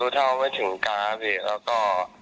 รู้เท่าไว้ถึงการนะพี่แล้วก็